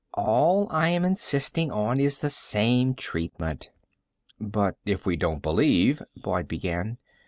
All I am insisting on is the same treatment." "But if we don't believe " Boyd began.